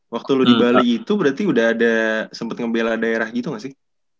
waktu lu di bali itu berarti udah ada sempat ngebela daerah gitu gak sih